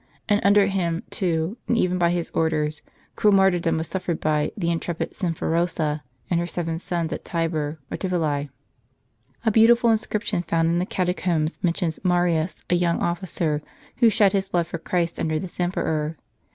And under him, too, and even by his own orders, cruel martyr dom was suffered by the intrepid Symphorosa and her seven sons at Tibur, or Tivoli. A beautiful inscription found in the catacombs mentions Marius, a young officer, who shed his w blood for Christ under this emperor.